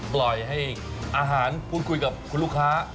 ปล่อยให้อาหารพูดคุยกับคุณลูกค้า